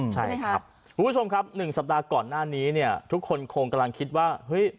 คุณผู้ชมครับ๑สัปดาห์ก่อนหน้านี้ทุกคนคงกำลังคิดว่า